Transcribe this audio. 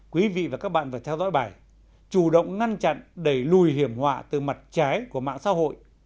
quý vị và các bạn vừa theo dõi bài chủ động ngăn chặn đẩy lùi hiểm họa từ mặt trái của mạng xã hội